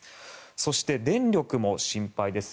そして電力も心配です。